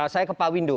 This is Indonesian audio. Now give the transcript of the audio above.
saya ke pak windu